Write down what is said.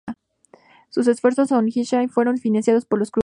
Sus esfuerzos en Xinjiang fueron financiados por los Krupp.